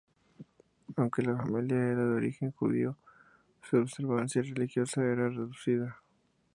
Aunque la familia era de origen judío, su observancia religiosa era reducida.